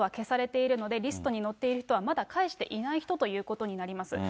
ただ返還されたあとは、あとは名前などは消されているので、リストに載っている人はまだ返していない人ということになります。